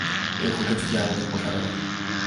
এই ফুটেজ দিয়ে আমাদের পোষাবে না।